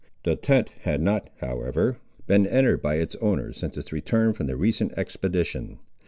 The tent had not, however, been entered by its owner since his return from the recent expedition.